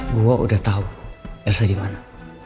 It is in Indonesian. gue udah tau elsa dimana